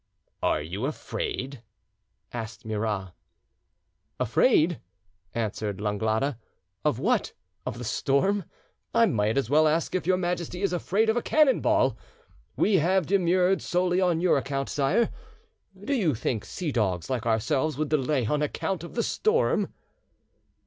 "Are you afraid?" asked Murat. "Afraid!" answered Langlade. "Of what? Of the storm? I might as well ask if your Majesty is afraid of a cannon ball. We have demurred solely on your account, sire; do you think seadogs like ourselves would delay on account of the storm?"